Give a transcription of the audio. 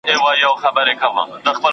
الکول د جنسي کمزورۍ لامل کېږي.